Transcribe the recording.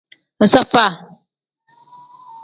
Iza faa.